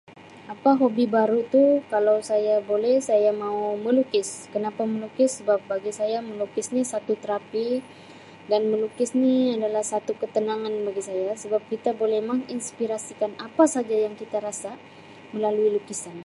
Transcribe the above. Apa hobi baru tu kalau saya boleh, saya mau melukis. Kenapa melukis sebab bagi saya melukis ni satu terapi dan melukis ni ialah satu ketenangan bagi saya sebab kita boleh menginspirasikan apa saja yang kita rasa melalui lukisan.